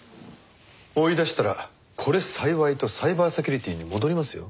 追い出したらこれ幸いとサイバーセキュリティに戻りますよ。